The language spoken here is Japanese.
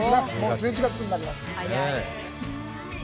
１１月になります。